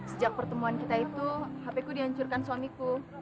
sejak pertemuan kita itu hpku dihancurkan suamiku